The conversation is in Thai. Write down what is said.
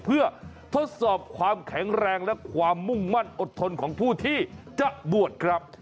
เพื่อทดสอบความแข็งแรงและความมุ่งมั่นอดทนของผู้ที่จะบวชครับ